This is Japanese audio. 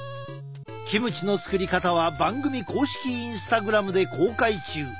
キムチの作り方は番組公式インスタグラムで公開中。